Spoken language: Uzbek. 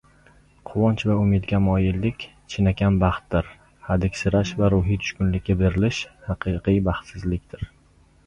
Quvonch va umidga moyillik chinakam baxtdir; hadiksirash va ruhiy tushkunlikka berilish —haqiqiy baxtsizlik.